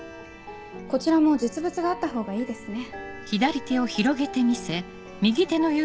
こちらも実物があったほうがいいですね。